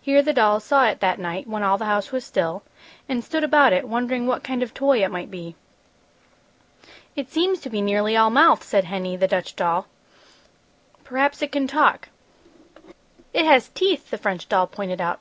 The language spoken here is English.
Here the dolls saw it that night, when all the house was still, and stood about it wondering what kind of toy it might be. "It seems to be nearly all mouth!" said Henny, the Dutch doll. "Perhaps it can talk." "It has teeth!" the French doll pointed out.